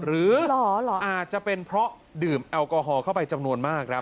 หรืออาจจะเป็นเพราะดื่มแอลกอฮอลเข้าไปจำนวนมากครับ